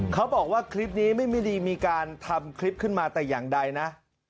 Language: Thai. เขาบอกว่าคลิปนี้ไม่ดีมีการทำคลิปขึ้นมาแต่อย่างใดนะ